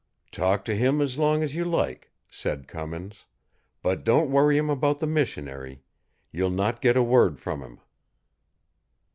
"Talk to him as long as you like," said Cummins, "but don't worry him about the missionary. You'll not get a word from him."